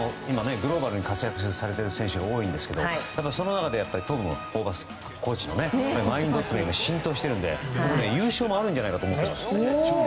グローバルに活躍されている選手が多いんですがその中でトム・ホーバスコーチのマインドが浸透しているので優勝もあるんじゃないかと思ってます。